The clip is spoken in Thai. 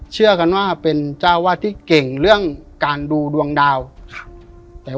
เชื่อกันว่าเป็นเจ้าวาดที่เก่งเรื่องการดูดวงดาวครับแต่